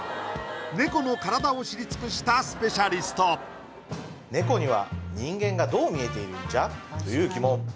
猫の体を知り尽くしたスペシャリスト猫には人間がどう見えているんじゃ？という疑問